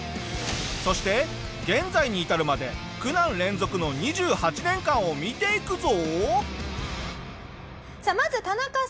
そして現在に至るまで苦難連続の２８年間を見ていくぞ！